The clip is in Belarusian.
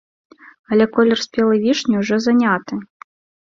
Але колер спелай вішні ўжо заняты!